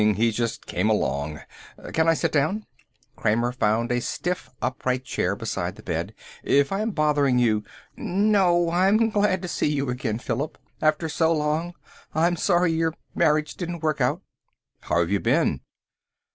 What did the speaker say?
He just came along. Can I sit down?" Kramer found a stiff upright chair beside the bed. "If I'm bothering you " "No. I'm glad to see you again, Philip. After so long. I'm sorry your marriage didn't work out." "How have you been?"